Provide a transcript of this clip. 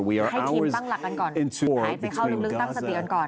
หายไปเข้าลึกตั้งสติกันก่อน